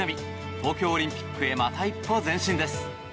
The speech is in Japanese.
東京オリンピックへまた一歩前進です。